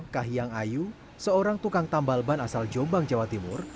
kahiyang ayu seorang tukang tambal ban asal jombang jawa timur